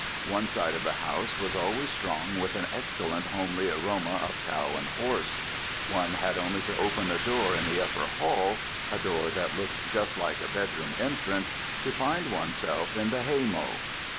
One side of the house was always strong with an excellent homely aroma of cow and horse; one had only to open a door in the upper hall, a door that looked just like a bedroom entrance, to find oneself in the haymow.